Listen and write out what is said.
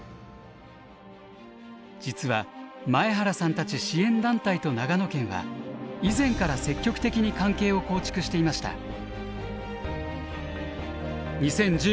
実は前原さんたち支援団体と長野県は以前から積極的に関係を構築していました。